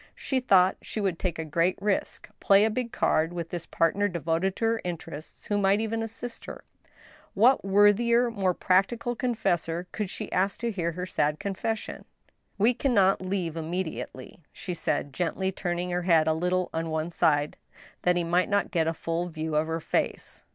She thought she would take a g^reat risk, play a big card with this partner devoted to her interests, who might even assist her. What worthier, more practical confessor could she ask to hear her sad confession ?" We can not leave immediately," she said, gently turning her head a little on one side, that he might not get a full view of her face.